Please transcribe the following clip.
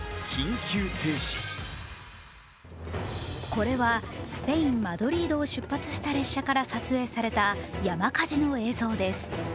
これはスペイン・マドリードを出発した列車から撮影された山火事の映像です。